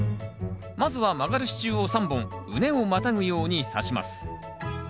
まずは曲がる支柱を３本畝をまたぐようにさします。